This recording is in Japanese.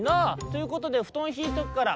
「ということでふとんひいとくから」。